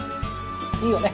いいよね？